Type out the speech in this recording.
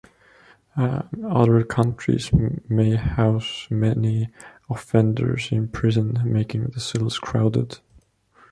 Other countries may house many offenders in prisons, making the cells crowded.